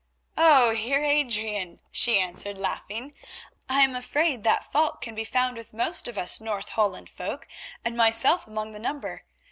"Oh! Heer Adrian," she answered, laughing, "I am afraid that fault can be found with most of us North Holland folk, and myself among the number.